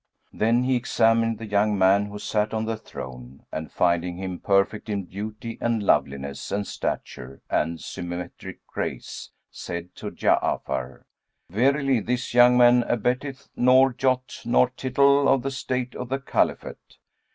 Then he examined the young man who sat on the throne and finding him perfect in beauty and loveliness and stature and symmetric grace, said to Ja'afar, "Verily, this young man abateth nor jot nor tittle of the state of the Caliphate!